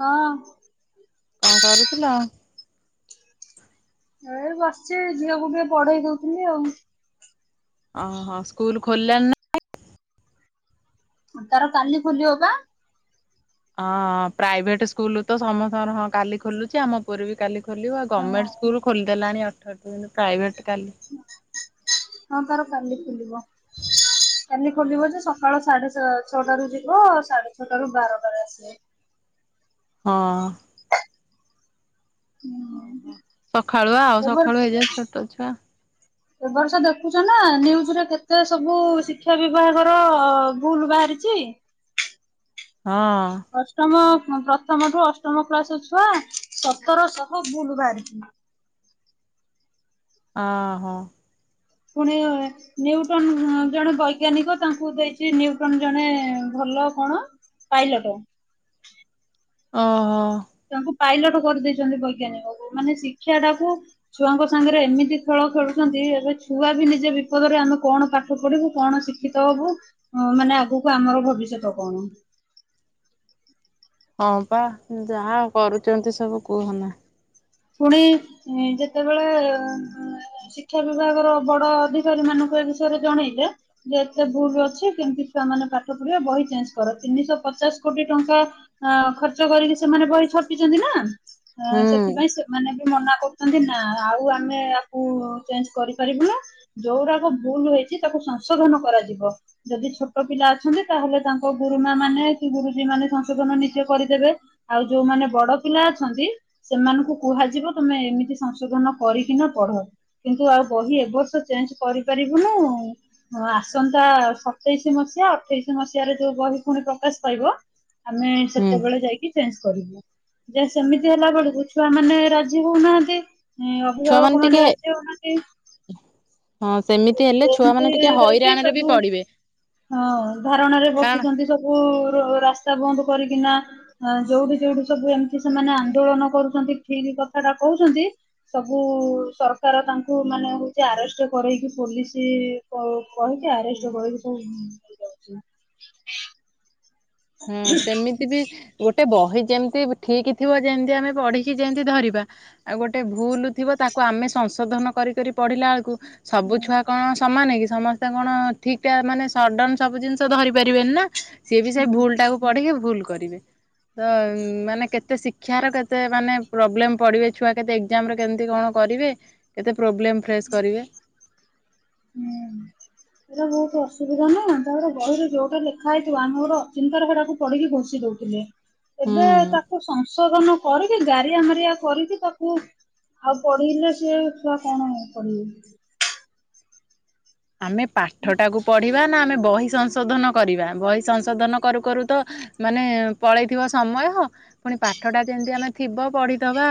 ହଁ କଣ କରୁଥିଲ? ଏ ବସିଚି। ଝିଅକୁ ଟିକେ ପଢେଇ ଦଉଥିଲି ଆଉ। ଓ ହୋ ସ୍କୁଲ ଖୋଲିଲାଣି ନା ତାର କାଲି ଖୋଲିବ ପା। ହଁ ପ୍ରାଇଭେଟ ସ୍କୁଲ ତ ସମସ୍ତଙ୍କର ହଁ କାଲି ଖୋଲୁଚିମ୍ ଆମ ସ୍କୁଲ ବି କାଲି ଖୋଲିବ। ହଁ। ଗମେଣ୍ଟ ସ୍କୁଲ ଖୋଲିଦେଲାଣି ଅଠର ଠୁ କିନ୍ତୁ ପ୍ରାଇଭେଟ୍ କାଲି ହଁ ତାର କାଲି ଖୋଲିବ। କାଲି ଖୋଲିବ ଯେ ସକାଳ ସାଢେ ସା ଛଅ ଟା ରୁ ଯିବ ସାଢେ ଛଅଟା ରୁ ବାରଟାରେ ଆସିବ। ହଁ। ସଖାଳୁଆ ଆଉ ଏ ବର୍ଷ ସଖାଳୁ ହେଇ ଯାଏ ଛୋଟ ଛୁଆ। ଏ ବର୍ଷା ଦେଖୁଚ ନା ନ୍ୟୁଜରେ କେତେ ସବୁ ଶିକ୍ଷା ବିଭାଗର ଭୁଲ ବାହାରିଚି। ହଁ। ଅଷ୍ଟମ ଦଶମଠୁ ଅଷ୍ଟମ କ୍ଲାସ ଛୁଆ ସତର ଶହ ଭୁଲ୍ ବାହାରିଚି। ଅ ହଁ। ଫୁଣି ନ୍ୟୁଟନ ଜଣେ ବୈଜ୍ଞାନିକ ତାଙ୍କୁ ଦେଇଛି ନ୍ୟୁଟନ ଜଣେ ଭଲ କଣ। ପାଇଲଟ। ଓହୋ। ତାଙ୍କୁ ପାଇଲଟ କରିଦେଇଛନ୍ତି ବୈଜ୍ଞାନିକ କୁ। ମାନେ ଶିକ୍ଷା ଟାକୁ ଛୁଆଙ୍କ ସାଙ୍ଗରେ ଏମିତି ଖେଳ ଖେଳୁଛନ୍ତି ଏବେ ଛୁଆ ବି ନିଜେ ବିପଦରେ ଆମେ କଣ ପାଠ ପଢିବୁ କଣ ଶିଖ ଶିକ୍ଷିତ ହବୁ ମାନେ ଆଗକୁ ଆମର ଭବିଷ୍ୟତ କଣ? ହଁ ପା ଯାହା କରୁଛନ୍ତି ସବୁ କୁହନା। ପୁଣି ଉଁ ଯେତେବେଳେ ଏ ହ ଶିକ୍ଷା ବିଭାଗର ବଡ ଅଧିକାରୀ ମାନଙ୍କୁ ଏ ବିଷୟରେ ଜଣେଇଲେ ଯେ ଏତେ ଭୁଲ ଅଛି କେମିତି ଛୁଆ ମାନେ ପାଠ ପଢିବେ ବହି ଚେଞ୍ଜ କର ତିନିଶହ ପଚାଶ କୋଟି ଟଙ୍କା ଅ ଖର୍ଚ୍ଚ କରିକି ସେମାନେ ବହି ଛାପିଛନ୍ତି ନା ଆ ହୁଁ ସେଥିପାଇଁ ଆଗେ ମନା କରୁଛନ୍ତି ନା ଆଉ ଆମେ ଆକୁ ଚେଞ୍ଜ କରିପାରିବୁନୁ ଯୋଉଡାକ ଭୁଲ ହେଇଛି ତାକୁ ସଂଶୋଧନ କରାଯିବ। ଯଦି ଛୋଟ ପିଲା ଅଛନ୍ତି ତାହେଲେ ତାଙ୍କ ଗୁରୁମା ମାନେ କି ଗୁରୁଜୀ ମାନେ ସଂଶୋଧନ ନିଜେ କରିଦେବେ। ଆଉ ଯୋଉମାନେ ବଡ ପିଲା ଅଛନ୍ତି ସେମାନଙ୍କୁ କୁହାଯିବ ତମେ ଏମିତି ସଂଶୋଧନ କରିକିନା ପଢ। କିନ୍ତୁ ଆଉ ବହି ଏ ବର୍ଷ ଚେଞ୍ଜ କରିପାରିବୁନୁ ହଁ ଆସନ୍ତା ସତେଇଶ ମସିହା ଅଠେଇଶି ମସିହାରେ ଯୋଉ ବହି ପୁଣି ପ୍ରକାଶ ପାଇବ ଆମେ ହୁଁ ସେତେବେଳେ ଯାଇକି ଚେଞ୍ଜ କରିବୁ ଯେ ସେମିତି ହେଲା ବେଳକୁ ତାଆ ମାନେ ରାଜି ହଉନାହାନ୍ତି ଉଁ ଛୁଆ ଅଭିଭାବକ ଟିକେ ମାନେ ରାଜି ହଉନାହାନ୍ତି। ହଁ ସେମିତି ହେଲେ ଛୁଆ ମାନେ ଏମିତି ଟିକେ ଯାଇକି ହଇରାଣରେ ବି ସବୁ ପଡିବେ। ହଁ ଧାରଣରେ କାରଣ ବସୁଛନ୍ତି ସବୁ ରୁ ରାସ୍ତା ବନ୍ଦ କରିକିନା ଆଁ ଯୋଉଠି ଯୋଉଠି ସବୁ ଏମିତି ସେମାନେ ଆନ୍ଦୋଳନ କରୁଛନ୍ତି ଠିକ କଥାଟା କହୁଛନ୍ତି ସବୁ ସରକାର ତାଙ୍କୁ ମାନେ ହଉଛି ଆରେଷ୍ଟ କରେଇକି ପୋଲିସ କ କହିକି ଆରେଷ୍ଟ କରି ସବୁ। ହୁ ସେମିତି ବି। ଗୋଟେ ବହି ଯେମିତି ଠିକ ଥିବ ଯେମିତି ଆମେ ପଢିକି ଯେମିତି ଧରିବା। ଆଉ ଗୋଟେ ଭୁଲ ଥିବ ତାକୁ ଆମେ ସଂଶୋଧନ କରି କରି ପଢିଲା ବେଳକୁ ସବୁ ଛୁଆ କଣ। ସମାନେ କି ସମସ୍ତେ କଣ ଠିକ ଟା ମାନେ ସଡନ ସବୁ ଜିନିଷ ଧରି ପାରିବେନି ନା ସିଏ ବି ସେ ଏଇଟା ଭୁଲ। ଟାକୁ ପଢିକି ଭୁଲ କରିବେ। ତ ମାନେ କେତେ ଶିକ୍ଷାର କେତେ ମାନେ ପ୍ରୋବ୍ଲେମ ପଡିବେ ଛୁଆ କେତେ। ଏ କଜାମ୍ ରେ କେମିତି କଣ କରିବେ କେତେ ପ୍ରୋବ୍ଲେମ୍ ଫେସ୍ କରିବେ। [unintelligible] ଏଟା ବହୁତ ଅସୁବିଧା ନା ତାପରେ ବହିରେ ଯୋଉଟା ଲେଖାଇଥିବ ଆମ ଗୋଟେ ଚିନ୍ତାର ସେଡାକୁ। ପଢିକି ଘୋସି ଦଉଥିଲେ ଏବେ ହୁଁ। ତାକୁ ସଂଶୋଧନ। କରିକି ଗାରିଆ ମାରିଆ କରିକି ତାକୁ। ଆଉ ପଢିଲେ ସିଏ ଛୁଆ କଣ ପଢିବ। ଆମେ ପାଠ ଟାକୁ ପଢିବା ନା ଆମେ ବହି ସଂଶୋଧନ କରିବା ବହି ସଂଶୋଧନ କରୁ କରୁ ତ। ମାନେ ପଳେଇଥିବ ସମୟ ପୁଣି ପାଠଟା ଯେମିତି ଆମେ ଥିବ ପଢିଦବା।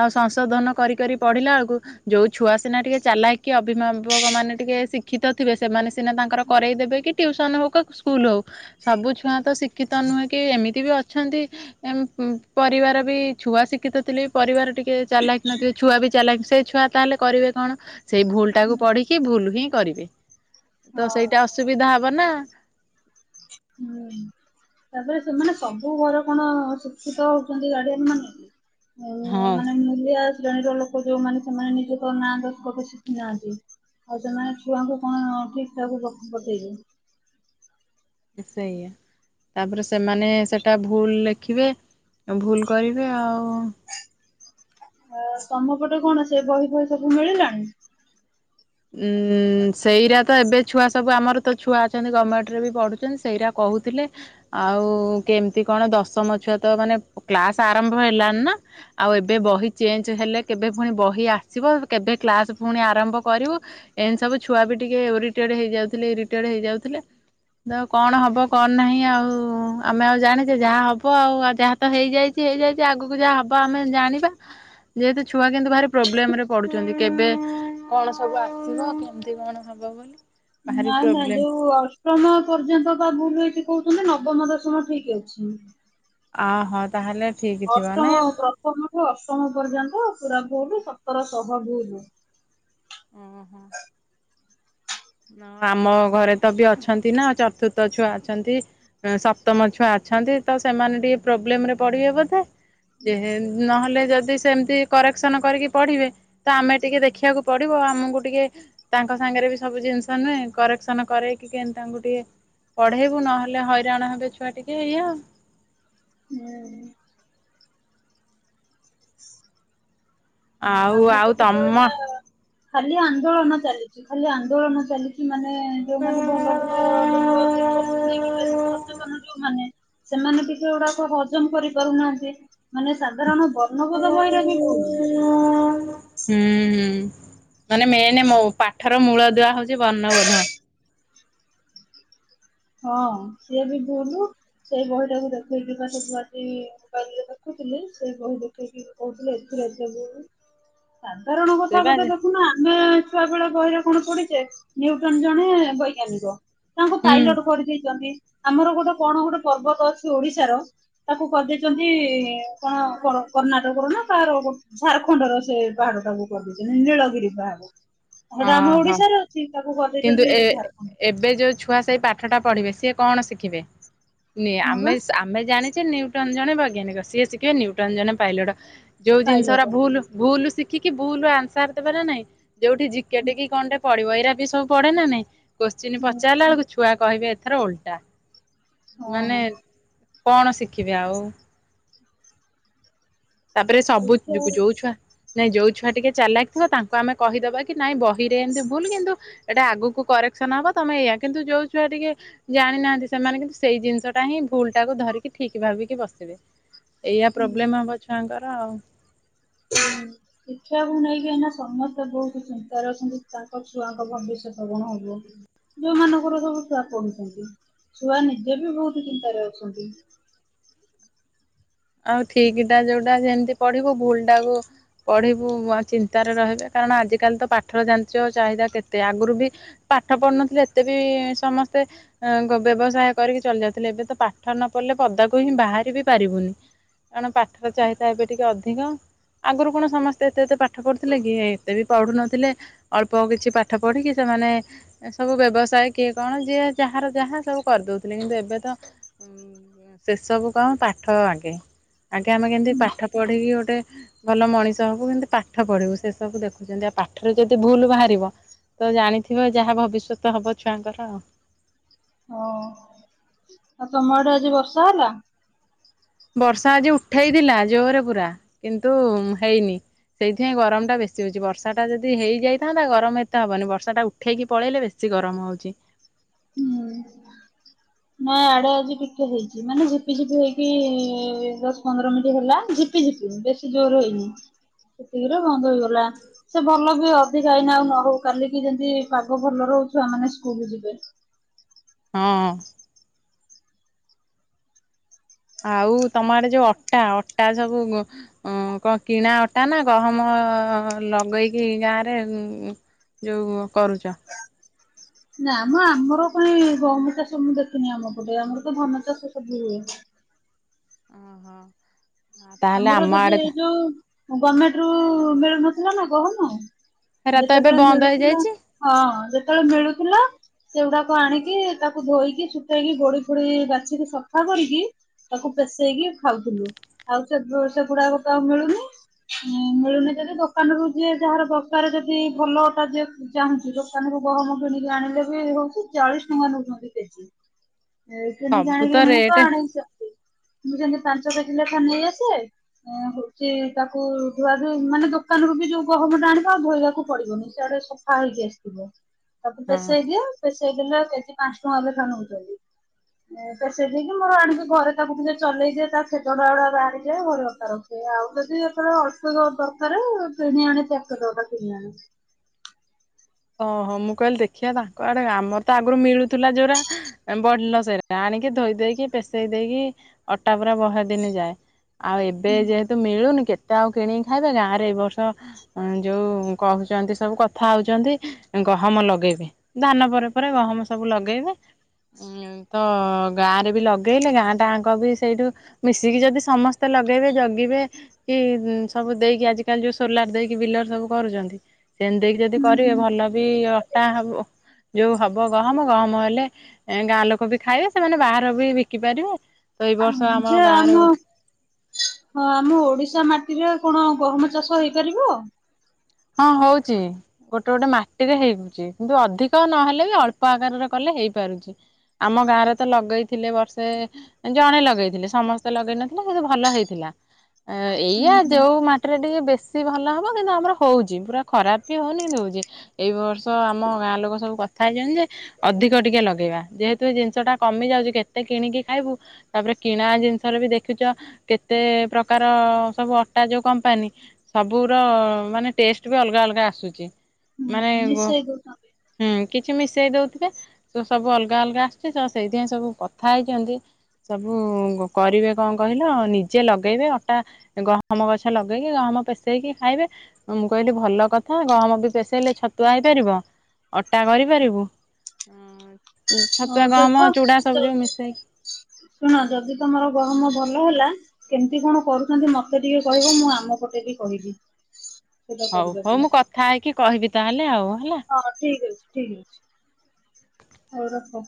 ଆଉ ସଂଶୋଧନ କରି କରି ପଢିଲା ବେଳକୁ। ଯୋଉ ଛୁଆ ସିନା ଟିକେ ଚାଲାକି ଅଭିଭାବକ ମାନେ ଟିକେ ସି ଶିକ୍ଷିତ ଥିବେ ସେମାନେ ସିନା ତାଙ୍କର କରେଇଦେବେ କି ଟ୍ୟୁସନ ହଉ କି ସ୍କୁଲ ହଉ ସବୁ ଛୁଆ ତ ଶିକ୍ଷିତ ନୁହେଁ କି ଏମିତି ବି ଅଛନ୍ତି। ଏମ୍ ପରିବାର ବି ଛୁଆ ଶିକ୍ଷିତ ଥିଲେ ପରିବାର ଟି କିଏ ଚାଲାକି ନଥିବେ ଛୁଆ ବି ଚାଲି ସେ ଛୁଆ ତାହେଲେ କରିବେ କଣ ସେଇ ଭୁଲ ଟାକୁ ପଢିକି ଭୁଲ ହିଁ। କରିବେ ତ ହଁ ସେଇଟା ଅସୁବିଧା ହବ ନା। ହୁଁ। ତାପରେ ସେମାନେ ସବୁ ଘରେର କଣ ଶିକ୍ଷିତ ହଉଛନ୍ତି ଗାଡିଆ ମାନେ। ହ ହଁ ମାନେ। ଓଆ ଶ୍ରେଣୀର ଲୋକ ଯୋଉମାନେ ସେମାନେ ନିଜ ତ ନାଁ ଦର୍ଶକ ଶିଖିନାହାନ୍ତି। ଆଉ ସେମାନେ ଛୁଆଙ୍କୁ କଣ ଠିକ୍ ଠାକୁ ପକେଇବୁ। ହ ସେୟା ତାପରେ ସେମାନେ ସେଇଟା ଭୁଲ ଲେଖିବେ ଭୁଲ କରିବେ ଆଉ। ଅ ତମ ପଟେ କଣ ସେ ବହି ଫହି ସବୁ ମିଳିଲାଣି। ଉଁ ସେଇରା ତ ଏବେ ଛୁଆ ସବୁ ଆମର ତ ଛୁଆ ଅଛନ୍ତି ଗଭର୍ଣମେଣ୍ଟରେ ବି ପଢୁଛନ୍ତି ସେଇରା କହୁଥିଲେ। ଆଉ କେମିତି କଣ ଦଶମ ଛୁଆ ତ ମାନେ କ୍ଲାସ ଆରମ୍ଭ ହେଲାଣି ନା। ଆଉ ଏବେ ବହି ଚେଞ୍ଜ ହେଲେ କେବେ ପୁଣି ବହି ଆସିବ କେବେ କ୍ଲାସ ପୁଣି ଆରମ୍ଭ କରିବୁ। ଏନ୍ତି ସବୁ ଛୁଆ ବି ଟିକେ ଓରିଟେଡ୍ ହେଇଯାଉଥିଲେ, ଇରିଟେଡ୍ ହେଇଯାଉଥିଲେ। କଣ ହବ କଣ ନାହିଁ ଆଉ ଆମେ ଆଉ ଜାଣିଛେ, ଯାହା ହବ ଆଉ। ଆଉ ଯାହା ତ ହେଇଯାଇଛି, ହେଇଯାଇଛି ଆଗକୁ ଯାହା ହବ ଆମେ ଜାଣିବା। ଯେହେତୁ ଛୁଆ କିନ୍ତୁ ଭାରି ପ୍ରୋବ୍ଲେମ ରେ ପଡୁଛନ୍ତି, କେବେ କଣ ସ ସବୁ ଆସିବ କେମିତି କଣ ହବ ବୋଲି? ଭାରି ନାଇଁ ନାଇଁ ପ୍ରୋବ୍ଲେମ ଯୋଉ ଅ ଅଷ୍ଟମ ପର୍ଯ୍ୟନ୍ତ ବା ଭୁଲ ହେଇଚି କହୁଛନ୍ତି, ନବମ ଦଶମ ଠିକ୍ ଅଛି। ଆ ହୋ ତାହେଲେ ଠିକ ଥିବ ଅଷ୍ଟମ ନାଇଁ ପ୍ରଥମଠୁ ଅଷ୍ଟମ ପର୍ଯ୍ୟନ୍ତ ପୁରା ଭୁଲ୍, ସତର ଶହ ଭୁଲ୍। ଉଁ - ହୁଁ। ହଁ ଆମ ଘରେ ତ ବି ଅଛନ୍ତି ନା, ଚତୁର୍ଥ ଛୁଆ ଅଛନ୍ତି। ସପ୍ତମ ଛୁଆ ଅଛନ୍ତି, ତ ସେମାନେ ଟିକେ ପ୍ରୋବ୍ଲେମ ରେ ପଡିବେ ବୋଧେ? ଯେହେ ନହେଲେ ଯଦି ସେମିତି କରେକ୍ସନ କରିକି ପଢିବେ, ତ ଆମେ ଟିକେ ଦେଖିବାକୁ ପଡିବ। ଆମକୁ ଟିକେ ତାଙ୍କ ସାଙ୍ଗରେ ବି ସବୁ ଜିନିଷ ନୁହେଁ କରେକ୍ସନ କରେଇକି, କେନ୍ତି ତାଙ୍କୁ ଟିକେ ପଢେଇବୁ, ନହେଲେ ହଇରାଣ ହେବେ ଛୁଆ ଟିକେ ଏଇଆ ଆଉ। ହୁଁ। ଆଉ ଆମ ଆଉ ପଟେ ତ ତମ ଏଇନା ଖାଲି ଆନ୍ଦୋଳନ ଚାଲିଚି, ଖାଲି ଆନ୍ଦୋଳନ ଚାଲିଚି। ମାନେ ଯୋଉମାନେ ଭଲ ଭଲ ଲୋକ ହୁଁ ଶିକ୍ଷାକୁ ନେଇକି, ବେଶୀ ସଚେତନ ଯୋଉମାନେ ସେମାନେ ଟିକେ ଏ ଗୁଡାକ ହଜମ କରି ପାରୁନାହାନ୍ତି। ମାନେ ସାଧାରଣ ବର୍ଣ୍ଣବୋଧ ବହିରେ ବି ଭୁଲ୍। [unintelligible] ହ ହୁଁ- ହୁଁ ମାନେ ମେନ୍ ମୋ ପାଠର ମୂଳଦୁଆ ହଉଚି ବର୍ଣ୍ଣବୋଧ। ହଁ ସିଏ ବି ଭୁଲ୍, ସେଇ ବହିଟାକୁ ଦେଖେଇକି ବା ସେଠୁ [unintelligible] କାଲି ଦେଖୁଥିଲି, ସେଇ ବହି ଦେଖେଇକି କହୁଥିଲେ ଏଥିରେ ଅଧେ ଭୁଲ୍। ସାଧାରଣ କଥା ସେଇବା ଗୋଟେ ଦେଖୁନା, ଆମେ ଛୁଆ ବେଳେ ବହିରେ କଣ ପଢିଚେ ନ୍ୟୁଟନ ଜଣେ ବୈଜ୍ଞାନିକ, ତାଙ୍କୁ ହୁଁ ପାଇଲଟ ଚନ୍ତି। ଆମର ଗୋଟେ କଣ ଗୋଟେ ପର୍ବତ ଅଛି, ଓଡିଶାର ତାକୁ କରିଦେଇଛନ୍ତି, କଣ କର୍ଣ୍ଣାଟକର ନା କାହାର ଗୋ ଝାରଖଣ୍ଡ ର ସେ ପାହାଡଟାକୁ କରିଦେଇଛନ୍ତି, ନୀଳଗିରି ପାହାଡକୁ। ସେଇଟା ଆମ ଓହୋ ଓଡିଶାରେ। ଠିକ୍ କଥା [unintelligible] କିନ୍ତୁ ଏ ଏବେ ଯୋଉ ଛୁଆ ସେଇ ପାଠଟା ପଢିବେ, ସିଏ କଣ ଶିଖିବେ? [unintelligible] ହଁ ଆମେ ବା ଆମେ ଜାଣିଛେ ନ୍ୟୁଟନ ଜଣେ ବୈଜ୍ଞାନିକ, ସିଏ ଶିଖିବେ ନ୍ୟୁଟନ ଜଣେ ପାଇଲଟ। ଯୋଉ ଜିନିଷ ଗୁରା ପାଇଲଟ ଭୁଲ, ଭୁଲ ଶିଖିକି ଭୁଲ ଆନ୍ସର ଦେବାର ନାହିଁ। ଯୋଉଠି ଜି କେ ଟି କଣଟେ ପଡିବ ଏଇରା ବି ସବୁ ପଡେ ନା ନାଇଁ, କୋଶ୍ଚିିନ ହୁଁ ପଚାରିଲା ବେଳକୁ ଛୁଆ କହିବେ ଏଥର ଓଲଟା। ମାନେ, ହଁ କଣ ଶିଖିବେ ଆଉ? ତାପରେ ସବୁ, ଦେଖିବା ଯୋଉ ଛୁଆ ନାଇଁ ଯୋଉ ଛୁଆ ଟିକେ ଚାଲାକ୍ ଥିବ, ତାଙ୍କୁ ଆମେ କହିଦେବା କି ନାଇଁ ବହିରେ ଏମିତି ଭୁଲ। କିନ୍ତୁ ଏଇଟା ଆଗକୁ କରେକ୍ସନ ହବ ତମେ ଏଇଆ, କିନ୍ତୁ ଯୋଉ ଛୁଆ ଟିକେ ଜାଣିନାହାନ୍ତି ସେମାନେ, କିନ୍ତୁ ସେଇ ଜିନିଷ ଟା ହିଁ ଭୁଲ ଟାକୁ ଧରିକି ଠିକ ଭାବିକି ବସିବେ। ଏଇଆ ହୁଁ ପ୍ରୋବ୍ଲେମ ହବ ଛୁଆଙ୍କର ଆଉ। ହୁଁ। ଶିକ୍ଷାକୁ ନେଇକି ଏଇନା ସମସ୍ତେ ବହୁତ ଚିନ୍ତାରେ ଅଛନ୍ତି, ତାଙ୍କ ଛୁଆଙ୍କ ଭବିଷ୍ୟତକୁ ନେଇକି। ଯୋଉ ମାନଙ୍କର ସବୁ ଛୁଆ ପଢୁଛନ୍ତି, ଛୁଆ ନିଜେ ବି ବହୁତ ଚିନ୍ତାରେ ଅଛନ୍ତି। ଆଉ ଠିକ୍ ଟା ଯୋଉଟା ଯେମିତି ପଢିବୁ, ଭୁଲ୍ ଟାକୁ ପଢ଼ିବୁ ଚିନ୍ତାରେ ରହିବେ, କାରଣ ଆଜିକାଲି ତ ପାଠର ଜାଣିଚ ଚାହିଦା କେତେ? ଆଗରୁ ବି ପାଠ ପଢୁନଥିଲେ ଏତେ ବି ସମସ୍ତେ ବ୍ୟବସାୟ କରିକି ଚଳି ଯାଉଥିଲେ, ଏବେ ତ ପାଠ ନ ପଢିଲେ ପଦାକୁ ହିଁ ବାହାରି ବିି ପାରିବୁନି। କାରଣ ପାଠର ଚାହିଦା ଏବେ ଟିକେ ଅଧିକ। ଆଗରୁ କଣ ସମସ୍ତେ ଏତେ ଏତେ ପାଠ ପଢୁଥିଲେ କି। ଏତେ ବି ପଢୁ ନଥିଲେ। ଅଳ୍ପ କିଛି ପାଠ ପଢିକି ସେମାନେ ଏ ସବୁ ବ୍ୟବସାୟ କିଏ କଣ ଯିଏ ଯାହାର ଯାହା ସବୁ କରିଦଉଥିଲେ। କିନ୍ତୁ ଏବେ ତ ସେସବୁ କଣ ପାଠ ଆଗେ। ଆଗେ ଆମେ କେମିତି ହଁ। ପାଠ ପଢିକି ଗୋଟେ ଭଲ ମଣିଷ ହବୁ, କେମତି ପାଠ ପଢିବୁ, ସେ ସବୁ ଦେଖୁଚନ୍ତି। ଆଉ ପାଠରେ ଯଦି ଭୁଲ ବାହାରିବ। ତ ଜାଣିଥିବ ଯାହା ଭବିଷ୍ୟତ ହବ ଛୁଆଙ୍କର। ହଁ। ଆଉ ତୋମ ଆଡେ ଆଜି ବର୍ଷା ହେଲା? ବର୍ଷା ଆଜି ଉଠେଇଥିଲା ଜୋରେ ପୁରା କିନ୍ତୁ ହେଇନି। ସେଇଥିପାଇଁ ଗରମ ଟା ବେଶୀ ହଉଚି। ବର୍ଷା ଟା ଯଦି ହେଇଯାଇଥାନ୍ତା ଗରମ ଏତେ ହବନି ବର୍ଷା ଟା ଉ ଉଠେଇକି ପଳେଇଲେ ବେଶୀ ଗରମ ହଉଚି। ନା ଆଡେ ଆଜି ଟିକେ ହେଇଚି। ମାନେ ଝିପି ଝିପି ହେଇକି ଦଶ ପନ୍ଦର ମିନିଟ୍ ହେଲା। ଝିପ ପି ଝିପି ବେଶୀ ଜୋର ହେଇନି। ସେତିକିରେ ବନ୍ଦ ହେଇଗଲା। ସେ ଭଲ ବି ଅଧିକା ଏଇନା ଆଉ ନ ହଉ। କାଲିକି ଯେମିତି ପାଗ ଭଲ ରହୁ ଛୁଆମାନେ ସ୍କୁଲ୍ ଯିବେ। ହଁ। ଆଉ ତୋମ ଆଡେ ଯୋଉ ଅଟା ଅଟା ସବୁ ଗ ଅଁ, କଣ କିଣା ଅଟା ନା? ଗହମ ଲଗେଇକି ଗାଁରେ ଉଁ, ଯୋଉ କରୁଚ? ନା ମୋ ଆମର କାଇଁ ଗହମ ଚାଷ ମୁଁ ଦେଖିନି ଆମ ପଟେ। ଆମର ତ ଧାନ ଚାଷ ସବୁ ହୁଏ। ଓହୋ। ତାହେଲେ ଆମର ଆମ ଯଦି ଆଡେ ଏ ଯୋଉ ଗମେଣ୍ଟ ରୁ ମିଳୁନଥିଲା ନା ଗହମ। ହେରା ତ ଏବେ ଯେତେବେଳେ ବନ୍ଦ ମିଳୁଥିଲା ହେଇଯାଇଛି ହଁ ଯେତେବେଳେ ମିଳୁଥିଲା ସେଉଡାକ ଆଣିକି ତାକୁ ଧୋଇକି ସୁଖେଇକି ଗୋଡି ଫୋଡି ବାଛିକି ସଫା କରିକି ତାକୁ ପେସେଇକି ଖାଉଥିଲୁ। ଆଉ ସେଗୁ ସେଗୁଡାକ ତ ଆଉ ମିଳୁନି। ଅଁ, ମିଳୁନି ଯଦି ଦୋକାନରୁୁ ଯିଏ ଯାହାର ଦରକାର ଯଦି ଭଲ ଅଟା ଯିଏ ଚାହୁଁଚି, ଦୋକାନରୁ ଗହମ କିଣିକି ଆଣିଲେ ବି ହଉଛି। ଚାଳିଶ ଟଙ୍କା ନଉଛନ୍ତି କେଜି। ଏ କିଣିକି ସବୁ ଆଣିକି ମୁଁ ରେଟ ତ ଆଣେ ସେଠି। ମୁଁ ସେମତି ପାଞ୍ଚ କେଜି ଲେଖା ନେଇ ଆସେ। ଏଁ, ହଉଚି ତାକୁ ଧୁଆ ଧୁଇ ମାନେ ଦୋକାନରୁ ବି ଯୋଉ ଗହମ ଟା ଆଣିବ ଆଉ ଧୋଇବାକୁ ପଡିବନି। ସିଆଡେ ସ ଫା ହୋଇକି ଆସିଥିବ। ତାକୁ ହଁ ପେଶେଇ ଦିଅ। ପେଶେଇ ଦେଲେ କେଜି ପାନ୍ସ ଟଙ୍କା ଲେଖା ନଉଚନ୍ତି। ଏ ପେଶେଇ ଦେଇକି ମୋର ଆଣିକି ଘରେ ତାକୁ ଟିକେ ଚଲେଇ ଦିଏ। ତା ସେ କ [inaudible] ଗୁଡା ବାହାରିଯାଏ। ଭଲ ଅଟା ରଖେ। ଆଉ ଯଦି ଏଥର ଅଳ୍ପ ସଳ୍ପ ଦରକାର କିଣି ଆଣେ ପେକେଟ ଅଟା। କିଣିଆଣେ। ଓହୋ, ମୁଁ କହିଲି ଦେଖିଆ ତାଙ୍କ ଆଡେ, ଆମର ତ ଆଗରୁ ମିଳୁଥୁଲା ଯୋଉରା ଏ ବଢିଲା ସେଇରା ଆଣିକି ଧୋଇ ଦେଇକି, ପେସେଇ ଦେଇକି ଅଟା ପୁରା ବହେ ଦିନ ଯାଏ। ଆଉ ଏବେ ଯେହେତୁ ମିଳୁନି। କେ ତେ ଆଉ କିଣିକି ଖାଇବେ। ଗାଁ ରେ ଏଇ ବର୍ଷ ଅଁ, ଯୋଉ କହୁଚନ୍ତି ସବୁ କଥା ହଉଚନ୍ତି। ଗହମ ଲଗେଇବେ, ଧାନ ପରେ ପରେ ଗହମ ସବୁ ଲଗେଇବେ। ଉଁ, ତ ଗାଁ ରେ ବି ଲଗେଇଲେ ଗାଁ ଟାଙ୍କ ବି ସେଇଠୁ ମିଶିକି ଯଦି ସମସ୍ତେ ଲଗେଇବେ ଜଗିବେ କି ଉଁ, ସବୁ ଦେଇକି ଆଜିକାଲି ଯୋଉ ସୋଲାର ଦେଇକି ବିଲର ସବୁ କରୁଚନ୍ତି। ସେମିତି ଦେଇକି ଯଦି ହୁଁ କର ଟିକେ ଭଲ ବି ଅଟା ହବ। ଯୋଉ ହବ ଗହମ, ଗହମ ହେଲେ ଗାଁ ଲୋକ ବି ଖାଇବେ। ସେମାନେ ବାହାର ବି ବିକି ପାରିବେ। ତ ଏଇ ହଁ ବର୍ଷ ଆମ ଯେ ଗାଁରେ ଆମ ହଁ ଆମ ଓଡିଶା ମାଟିରେ କଣ ଗହମ ଚାଷ ହେଇପାରିବ? ହଁ ହଉଚି। ଗୋଟେ ଗୋଟେ ମାଟିରେ ହେଉଚି। କିନ୍ତୁ ଅଧିକ ନହେଲେ ବି ଅଳ୍ପ ଆକାରରେ କଲେ ହେଇପାରୁଛି। ଆମ ଗାଁରେ ତ ଲଗେଇଥିଲେ ବର୍ଷେ ଜଣେ ଲଗେଇଥିଲେ ସମସ୍ତେ ଲଗେଇ ନଥିଲେ କିନ୍ତୁ ଭଲ ହେଇଥିଲା। ଆ ହୁଁ ଏଇଆ ହୁଁ। ଯୋଉ ମାଟିରେ ଟିକେ ବେଶୀ ଭଲ ହବ କିନ୍ତୁ ଆମର ହୋଉଛି ପୁରା ଖରାପ ବି ହୋଉନି ହୋଉଛି। ଏଇ ବର୍ଷ ଆମ ଗାଁ ଲୋକ ସବୁ କଥା ହେଇଛନ୍ତି ଯେ ଅଧିକ ଟିକେ ଲଗେଇବା ଯେହେତୁ ଏ ଜିନିଷ ଟା କମି ଯାଉଛି କେତେ କିଣିକି ଖାଇବୁ ତାପରେ କିଣା ଜିନିଷରେ ବି ଦେଖୁଛ କେତେ ପ୍ରକାର ସବୁ ଅଟା ଯୋଉ କମ୍ପାନୀ ସବୁର ମାନେ ଟେଷ୍ଟ ବି ଅଲଗା ଅଲଗା ଆସୁଛି। ହୁଁ ମାନେ ଗୋ ମିଶେଇ ଦଉଛନ୍ତି ହୁଁ କିଛି ମିଶେଇ ଦୋଉଥିବେ। ସେ ସବୁ ଅଲଗା ଅଲଗା ଆସୁଛି ତ ସେଇଥିପାଇଁ ସବୁ କଥା ହେଇଛନ୍ତି ସବୁ କରିବେ କଣ କହିଲ ନିଜେ ଲଗେଇବେ ଅଟା ଗହମ ଗଛ ଲଗେଇକି ଗହମ ପେଷେଇକି ଖାଇବେ। ମୁଁ କହିଲି ଭଲ କଥା ଗହମ ବି ପେଷେଇଲେ ଛତୁଆ ହେଇପାରିବ ଅଟା କରିପାରିବୁ ଛତୁଆ ହଉ ଗହମ ଦେଖ ଚୁଡା ସବୁ ଯୋଉ ମିଶେଇକି। ଶୁଣ ଯଦି ତମର ଗହମ ଭଲ ହେଲା କେମିତି କଣ କରୁଛନ୍ତି ମତେ ଟିକେ କହିବ ମୁଁ ଆମ ପଟେ ବି କହିବି। ସେଟା ହୋଉ କରିବା ହୋଉ ପାଇଁ ମୁଁ କଥା ହେଇକି କହିବି ତାହେଲେ ଆଉ ହେଲା। ହଁ ଠିକ ଅଛି ଠିକ ଅଛି ହୋଉ ରଖ।